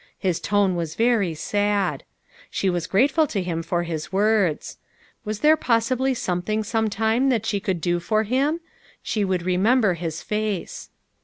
His tone was very sad. She was grateful to him for his words. Was there possibly something some time that she could do for him ? She would re member his face.